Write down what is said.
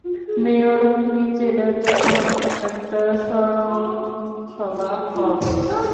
Mayor মিচেলের জন্য একটা স্মরণসভা হবে।